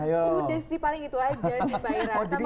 yaudah sih paling itu aja sih mbak ira